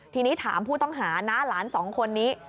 ทีนี้ถามผู้ต้องหานะหลานสองคนนี้